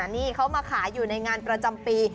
นี่เขามาขายอยู่ในงานประจำปี